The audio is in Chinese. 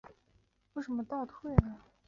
曾于道光十八年由中佑接任。